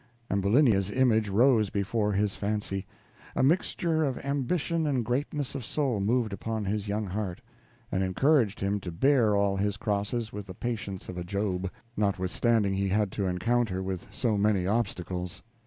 Ambulinia's image rose before his fancy. A mixture of ambition and greatness of soul moved upon his young heart, and encouraged him to bear all his crosses with the patience of a Job, notwithstanding he had to encounter with so many obstacles.